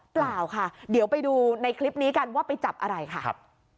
เปล่าค่ะเดี๋ยวไปดูในคลิปนี้กันว่าไปจับอะไรค่ะครับ